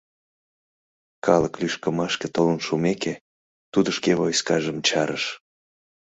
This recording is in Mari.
Калык лӱшкымашке толын шумеке, тудо шке «войскажым» чарыш.